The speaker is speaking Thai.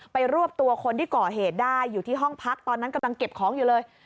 รวบตัวคนที่ก่อเหตุได้อยู่ที่ห้องพักตอนนั้นกำลังเก็บของอยู่เลย